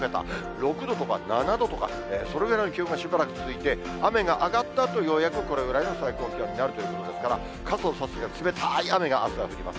６度とか７度とか、それぐらいの気温がしばらく続いて、雨が上がったあと、ようやくこれぐらいの最高気温になるということですから、傘を差す手が冷たい雨があしたは降ります。